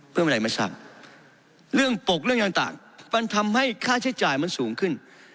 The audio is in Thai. เรื่องปกเรื่องอย่างต่างมันทำให้ค่าใช้จ่ายมันสูงขึ้น